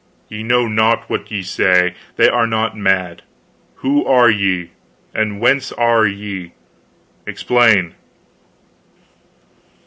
Ye know not what ye say. They are not mad. Who are ye? And whence are ye? Explain."